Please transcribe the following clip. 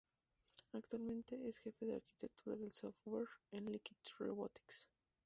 Actualmente es Jefe de Arquitectura de Software en Liquid Robotics.